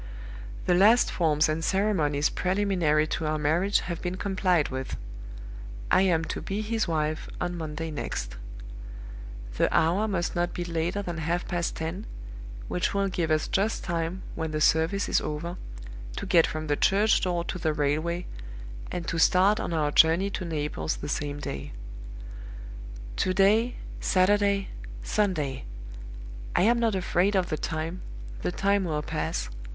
"The last forms and ceremonies preliminary to our marriage have been complied with. I am to be his wife on Monday next. The hour must not be later than half past ten which will give us just time, when the service is over, to get from the church door to the railway, and to start on our journey to Naples the same day. "To day Saturday Sunday! I am not afraid of the time; the time will pass.